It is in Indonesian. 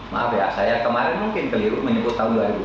maaf ya saya kemarin mungkin keliru menyebut tahun dua ribu dua